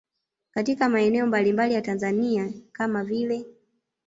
Katika maeneo mbalimbali ya Tanzania kama vile